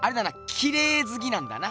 きれいずきなんだな。